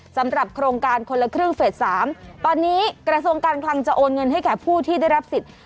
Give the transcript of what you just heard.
สำหรับโครงการคนละครึ่งเฟส๓ตอนนี้กระทรวงการคลังจะโอนเงินให้แก่ผู้ที่ได้รับสิทธิ์